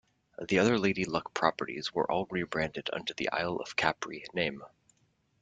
The other Lady Luck properties were all rebranded under the Isle of Capri name.